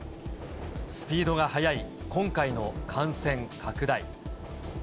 スピードが速い今回の感染拡大。